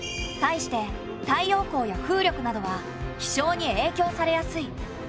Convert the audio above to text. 対して太陽光や風力などは気象にえいきょうされやすい。